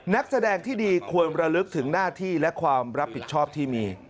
นักแสดงที่ดีควรระลึกถึงหน้าที่และความรับผิดชอบที่มี